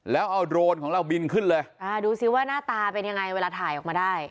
แล้วเอาโดรนของเราบินขึ้นเลยอ่าดูสิว่าหน้าตาเป็นยังไงเวลาถ่ายออกมาได้